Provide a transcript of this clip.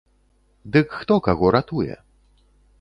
Дык хто каго ратуе?